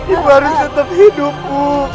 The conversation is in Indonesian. ibu harus tetap hidup ibu